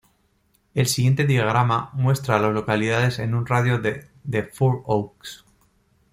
El siguiente diagrama muestra a las localidades en un radio de de Four Oaks.